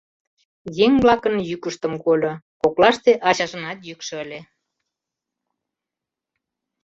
Еҥ-влакын йӱкыштым кольо, коклаште ачажынат йӱкшӧ ыле.